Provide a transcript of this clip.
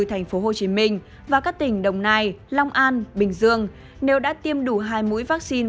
thành phố hồ chí minh và các tỉnh đồng nai long an bình dương nếu đã tiêm đủ hai mũi vaccine